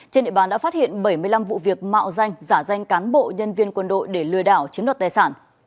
trên địa bàn đã phát hiện bảy mươi năm vụ việc mạo danh giả danh cán bộ nhân viên quân đội để lừa đảo chiếm đoạt tài sản